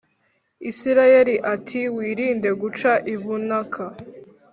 Isirayeli ati wirinde guca ibunaka